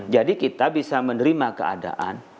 jadi kita bisa menerima keadaan